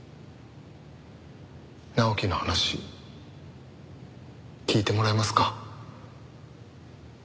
直樹の話聞いてもらえますか？